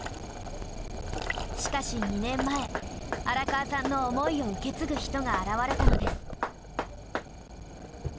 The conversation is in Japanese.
しかし２年前荒川さんの思いを受け継ぐ人が現れたのです。